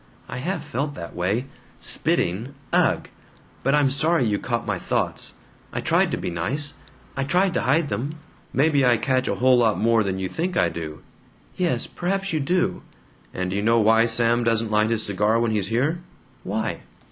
"I have felt that way. Spitting ugh! But I'm sorry you caught my thoughts. I tried to be nice; I tried to hide them." "Maybe I catch a whole lot more than you think I do!" "Yes, perhaps you do." "And d' you know why Sam doesn't light his cigar when he's here?" "Why?"